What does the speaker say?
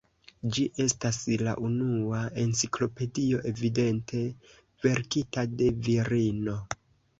Ĝi estas la unua enciklopedio evidente verkita de virino.